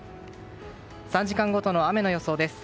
３時間ごとの雨の予想です。